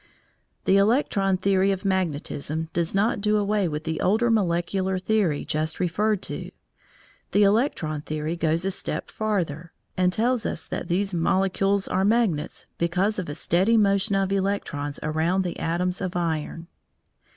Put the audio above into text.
The electron theory of magnetism does not do away with the older molecular theory just referred to. The electron theory goes a step farther, and tells us that these molecules are magnets because of a steady motion of electrons around the atoms of iron.